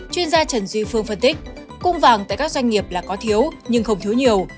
chuyên gia trần duy phương phân tích cung vàng tại các doanh nghiệp là có thiếu nhưng không thiếu nhiều